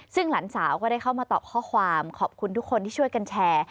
ซึ่งหลานสาวก็ได้เข้ามาตอบข้อความขอบคุณทุกคนที่ช่วยกันแชร์